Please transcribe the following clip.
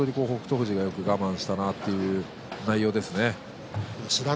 富士、よく我慢したという内容でした。